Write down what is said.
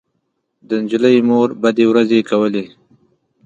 د نجلۍ مور بدې ورځې کولې